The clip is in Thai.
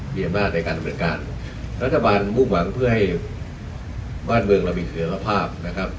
มีอำนาจในการดำเนินการรัฐบาลมุ่งหวังเพื่อให้บ้านเมืองเรามีเสียรภาพนะครับ